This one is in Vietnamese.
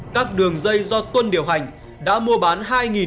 các đường dây do tuần điều hành đã mua bán hai bảy trăm linh bánh heroin